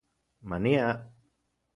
Mania